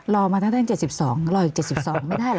รอมาทั้ง๗๒รออีก๗๒ไม่ได้หรือคะ